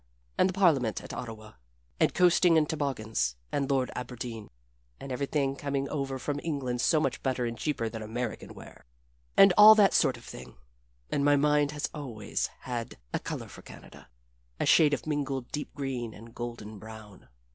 and the Parliament at Ottawa, and coasting in toboggans, and Lord Aberdeen, and everything coming over from England so much better and cheaper than American ware, and all that sort of thing. And my mind has always had a color for Canada a shade of mingled deep green and golden brown.